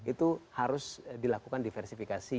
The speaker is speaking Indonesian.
itu harus dilakukan diversifikasi